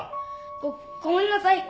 ごごめんなさい！